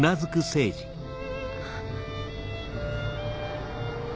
あ。